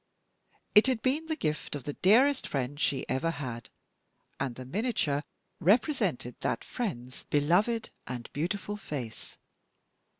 It had been the gift of the dearest friend she ever had, and the miniature represented that friend's beloved and beautiful face.